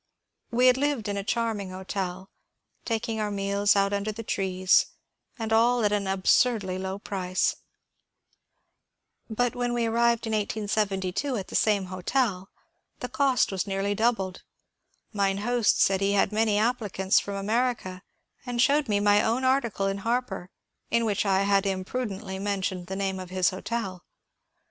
We had lived in a charming hotel, taking our meals out under the trees, and all at an absurdly low price. But when we arrived in 1872 at the same hotel the cost was nearly doubled. Mine host said he had many applicants from America, and showed me my own article in ^^ Harper " in which I had imprudently mentioned the name of his hotel.